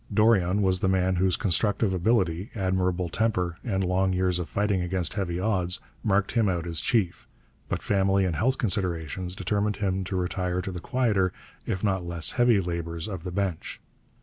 Dorion was the man whose constructive ability, admirable temper, and long years of fighting against heavy odds marked him out as chief, but family and health considerations determined him to retire to the quieter if not less heavy labours of the bench.